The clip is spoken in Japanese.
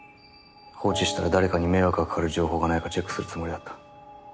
放置したら誰かに迷惑がかかる情報がないかチェックするつもりだった。